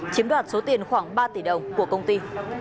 chiếm đoạt số tiền khoảng ba tỷ đồng của công ty